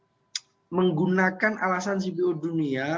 kita belum bicara bagaimana menggunakan alasan segi dunia